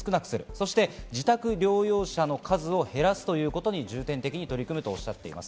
そして自宅療養者の数を減らすということに重点的に取り組むとおっしゃっています。